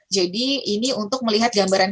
jadi ini untuk melihat gambaran kasus